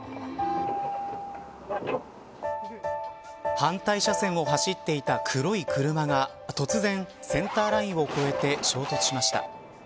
反対車線を走っていた黒い車が突然、センターラインを越えて衝突しました。